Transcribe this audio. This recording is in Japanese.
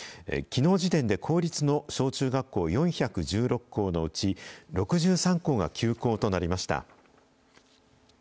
きのう時点で公立の小中学校４１６校のうち６３校が休校となりました。